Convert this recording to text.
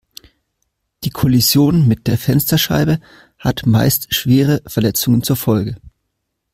Die Kollision mit der Fensterscheibe hat meist schwere Verletzungen zur Folge.